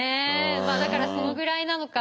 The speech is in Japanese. まあだからそのぐらいなのか。